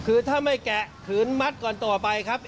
คือถ้าไม่แกะขืนมัดก่อนต่อไปครับ